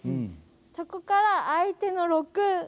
そこから、相手の６。